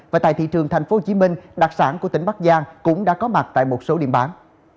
và tại thị trường tp hcm đặc sản của tỉnh bắc giang cũng đã có mặt tại một số điểm bán